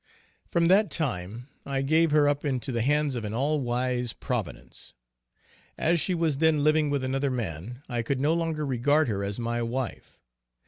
From that time I gave her up into the hands of an all wise Providence. As she was then living with another man, I could no longer regard her as my wife.